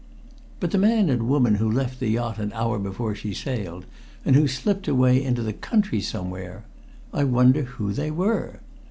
"But the man and the woman who left the yacht an hour before she sailed, and who slipped away into the country somewhere! I wonder who they were?